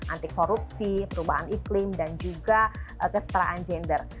anti korupsi perubahan iklim dan juga kesetaraan gender